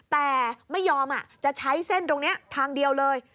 แต่ไม่ยอมจะใช้เส้นตรงนี้ทางเดียวเลย